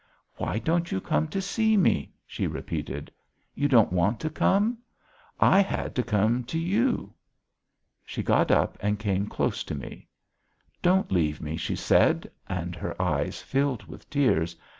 "Why don't you come to see me?" she repeated. "You don't want to come? I had to come to you." She got up and came close to me. "Don't leave me," she said, and her eyes filled with tears.